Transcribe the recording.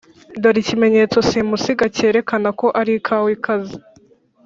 dore ikimenyetso simusiga cyarekana ko ari kawa ikaze